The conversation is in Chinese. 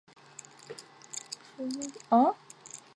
第十一届全国人大代表。